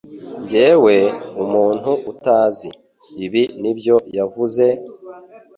Njyewe, umuntu utazi. Ibi ni byo yavuze,